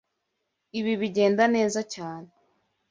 Ibi bigenda neza cyane.